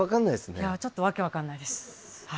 いやちょっと訳分かんないです。